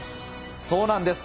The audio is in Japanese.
そうなんです。